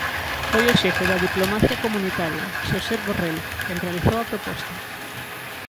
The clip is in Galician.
Foi o xefe da diplomacia comunitaria, Josep Borrell, quen realizou a proposta.